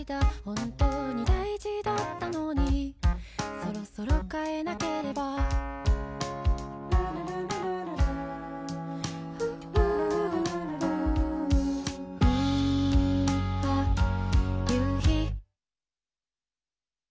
本当に大事だったのにそろそろ変えなければあ、夕陽。